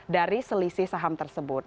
dari selisih saham tersebut